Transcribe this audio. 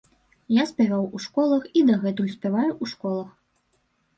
Я спяваў у школах і дагэтуль спяваю ў школах.